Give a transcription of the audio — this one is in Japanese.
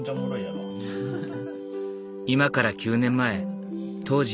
今から９年前当